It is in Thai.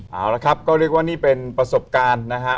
เอาละครับก็เรียกว่านี่เป็นประสบการณ์นะฮะ